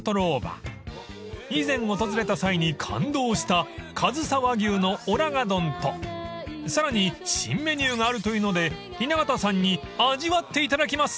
［以前訪れた際に感動したかずさ和牛のおらが丼とさらに新メニューがあるというので雛形さんに味わっていただきます］